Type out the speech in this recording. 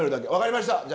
分かりました。